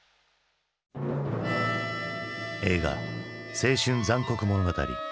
映画「青春残酷物語」。